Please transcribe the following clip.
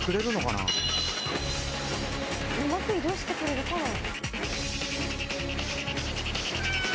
うまく移動してくれるかな？